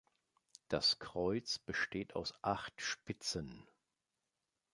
Das Kreuz besteht aus acht Spitzen.